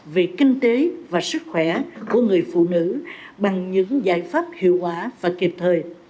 về kinh tế và sức khỏe của người phụ nữ bằng những giải pháp hiệu quả và kịp thời